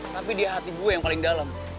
tapi di hati gue yang paling dalam